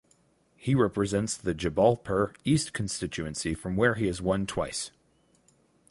He represents the Jabalpur East constituency from where he has won twice.